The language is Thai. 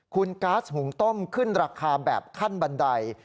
คุณก๊าซหุงต้มขึ้นราคาแบบขั้นบันได